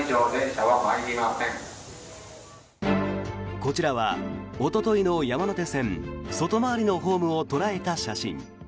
こちらはおとといの山手線外回りのホームを捉えた写真。